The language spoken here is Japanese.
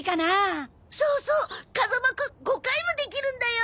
そうそう風間くん５回もできるんだよ！